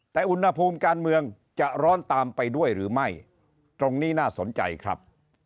แต่อุณหภูมิการเมืองจะร้อนตามไปด้วยหรือไม่ตรงนี้น่าสนใจครับ